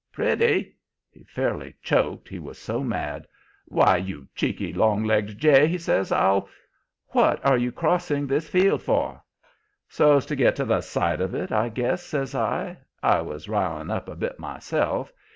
"'Pretty!' He fairly choked, he was so mad. 'Why, you cheeky, long legged jay,' he says, 'I'll What are you crossing this field for?' "'So's to get to t'other side of it, I guess,' says I. I was riling up a bit myself.